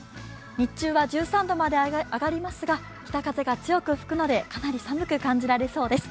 日中は１３度まで上がりますが、北風が強く吹くのでかなり寒く感じられそうです。